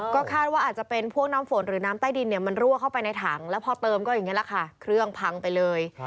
ก็คาดว่าอาจจะเป็นพวกน้ำฝนหรือน้ำใต้ดินเนี่ยมันรั่วเข้าไปในถังแล้วพอเติมก็อย่างนี้แหละค่ะเครื่องพังไปเลย